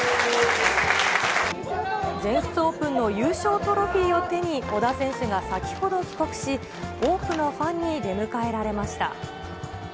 全仏オープンの優勝トロフィーを手に、小田選手が先ほど帰国し、多くのファンに出迎えられました。